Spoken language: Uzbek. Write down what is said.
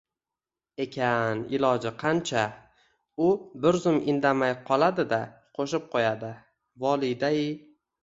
ekan, iloj qancha? — U bir zum indamay qoladi-da, qo'shib qo'yadi: — Volidai